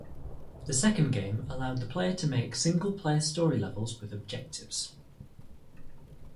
The second game allowed the player to make single-player story levels with objectives.